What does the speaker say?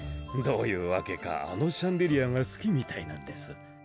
どういうわけかあのシャンデリアが好きみたいなんです。